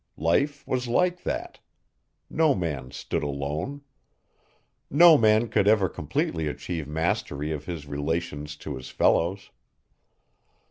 Life was like that. No man stood alone. No man could ever completely achieve mastery of his relations to his fellows.